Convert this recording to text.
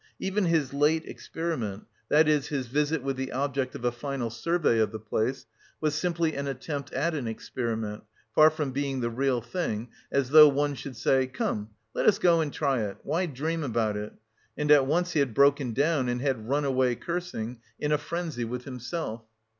Even his late experiment (i.e. his visit with the object of a final survey of the place) was simply an attempt at an experiment, far from being the real thing, as though one should say "come, let us go and try it why dream about it!" and at once he had broken down and had run away cursing, in a frenzy with himself.